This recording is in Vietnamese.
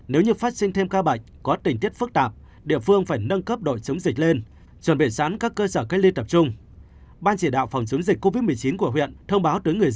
nếu như phát sinh thêm ca bệnh có tình tiết phức tạp địa phương phải nâng cấp đội chống dịch lên chuẩn bị sẵn các cơ sở cách ly tập trung